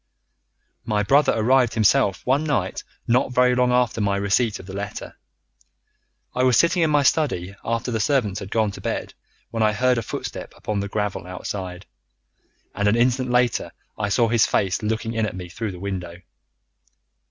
"My brother arrived himself one night not very long after my receipt of the letter. I was sitting in my study after the servants had gone to bed, when I heard a footstep upon the gravel outside, and an instant later I saw his face looking in at me through the window.